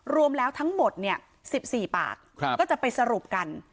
รวมแล้วทั้งหมดเนี่ยสิบสี่ปากครับก็จะไปสรุปกัน